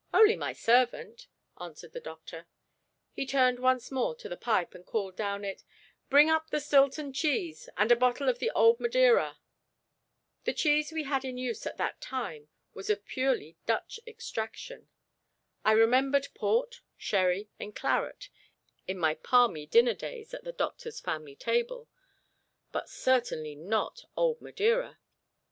"Only my servant," answered the doctor. He turned once more to the pipe, and called down it: "Bring up the Stilton Cheese, and a bottle of the Old Madeira." The cheese we had in use at that time was of purely Dutch extraction. I remembered Port, Sherry, and Claret in my palmy dinner days at the doctor's family table; but certainly not Old Madeira.